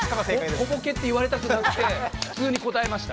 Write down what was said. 小ボケって言われたくなくて普通に答えました。